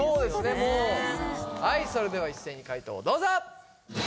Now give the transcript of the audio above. もうはいそれでは一斉に解答をどうぞ！